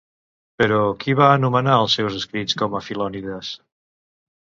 Però, qui va anomenar els seus escrits com a Filonides?